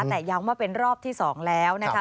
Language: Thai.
แต่ย้ำว่าเป็นรอบที่๒แล้วนะคะ